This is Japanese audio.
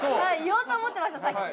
言おうと思ってましたさっき。